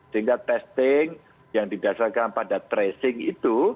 sehingga testing yang didasarkan pada tracing itu